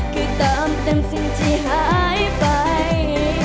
คือตามเต็มสิ่งที่หายไป